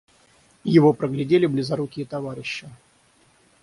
Его проглядели близорукие товарищи.